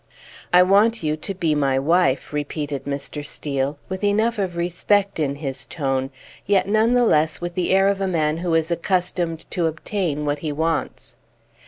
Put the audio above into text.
"I want you to be my wife," repeated Mr. Steel, with enough of respect in his tone, yet none the less with the air of a man who is accustomed to obtain what he wants.